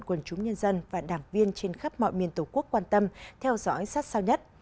quần chúng nhân dân và đảng viên trên khắp mọi miền tổ quốc quan tâm theo dõi sát sao nhất